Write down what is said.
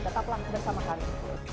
tetaplah bersama kami